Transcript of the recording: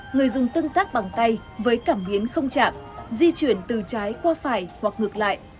người dùng tương tác bằng tay với cảm biến không chạm di chuyển từ trái qua phải hoặc ngược lại